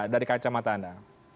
dari kaca mata anda